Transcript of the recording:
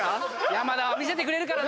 山田は魅せてくれるから。